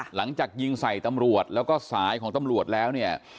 หลังจากยิงไส่ตำรวจและสายของตำรวจแล้ว